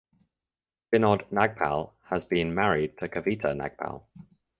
Vinod Nagpal has been married to Kavita Nagpal.